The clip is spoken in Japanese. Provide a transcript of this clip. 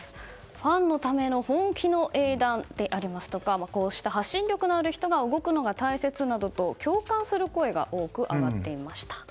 ファンのための本気の英断でありますとかこうした発信力のある人が動くことが大切などと共感する声が多く上がっていました。